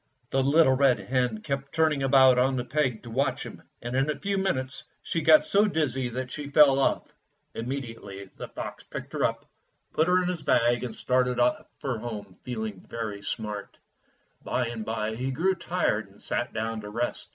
The little red hen kept turning about on the peg to watch him, and in a few minutes she got so dizzy that she fell off. Immediately the fox picked her up, put her Fairy Tale Foxes 5 in his bag, and started for home feeling very smart. By and by he grew tired and sat down to rest.